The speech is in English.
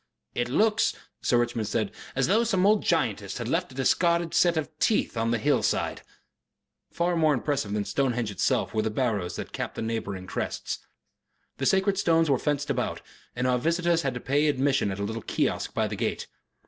"It looks," Sir Richmond said, "as though some old giantess had left a discarded set of teeth on the hillside." Far more impressive than Stonehenge itself were the barrows that capped the neighbouring crests. The sacred stones were fenced about, and our visitors had to pay for admission at a little kiosk by the gate.